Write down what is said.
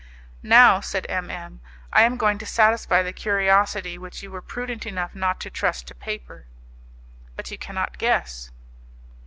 "Now," said M M , "I am going to satisfy the curiosity which you were prudent enough not to trust to paper." "But you cannot guess...."